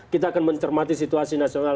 kita akan mencermati situasi nasional